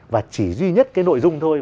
và chỉ duy nhất cái nội dung thôi